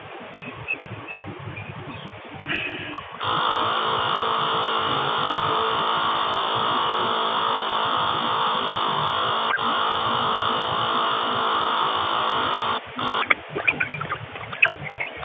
kwa maneno na vitendo pamoja na uhamasishaji wa nguvu aliandika siku ya Alhamisi